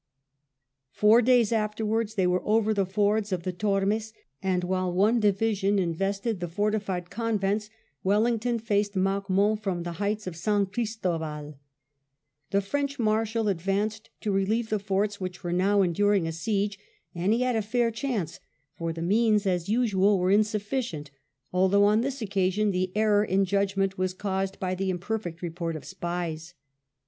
Four days afterwards they were over the fords of the Tonnes, and, while one division invested the fortified convents, Wellington faced Marmont from the heights of San ChristovaL' The French Marshal advanced to relieve the forts which were now enduring a siege, and he had a fair chance, for the means, as usual, were insufficient^ although on this occasion the error in judgment was caused by the imperfect report of spies.